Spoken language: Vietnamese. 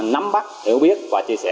nắm bắt hiểu biết và chia sẻ